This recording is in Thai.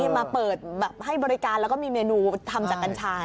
มาเปิดให้บริการแล้วก็มีเมนูทำจากกัญชา